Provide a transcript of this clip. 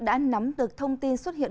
đã nắm được thông tin xuất hiện